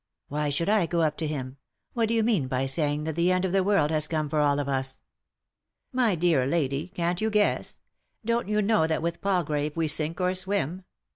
" Why should I go up to him ? What do yon mean by saying that the end of the world has come for all of us ?"" My dear lady, can't you guess ? Don't yon know that with Palgrave we sink or swim